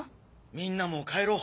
みんなも帰ろう。